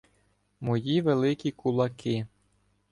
Мої великі кулаки